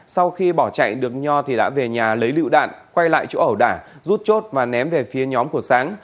sau khi bỏ chạy được nho thì đã về nhà lấy lựu đạn quay lại chỗ ẩu đả rút chốt và ném về phía nhóm của sáng